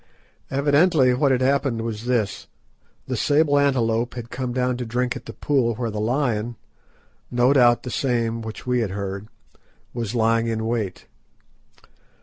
Evidently what had happened was this: The sable antelope had come down to drink at the pool where the lion—no doubt the same which we had heard—was lying in wait.